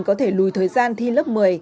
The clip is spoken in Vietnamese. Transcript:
có thể lùi thời gian thi lớp một mươi